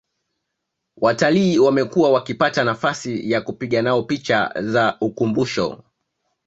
Watalii wamekuwa wakipata nafasi ya kupiga nao picha za ukumbusho